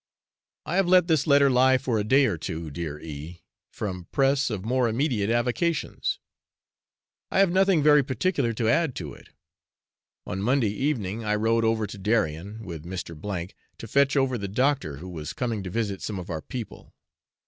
I have let this letter lie for a day or two, dear, E from press of more immediate avocations. I have nothing very particular to add to it. On Monday evening I rowed over to Darien with Mr. to fetch over the doctor, who was coming to visit some of our people.